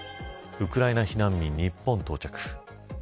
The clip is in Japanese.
ウクライナ避難民、日本到着。